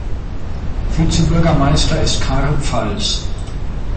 Vizebürgermeister ist Karl Pfalz.